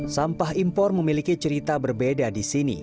sampah impor memiliki cerita berbeda di sini